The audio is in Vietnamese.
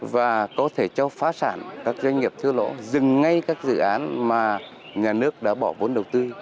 và có thể cho phá sản các doanh nghiệp thưa lộ dừng ngay các dự án mà nhà nước đã bỏ vốn đầu tư